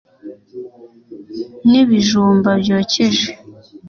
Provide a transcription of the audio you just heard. n'ibij umba byokeje